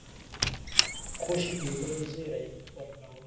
خوشي کېدلو زېری ورکاوه.